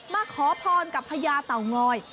มาขอพรกับพญาเต่างอย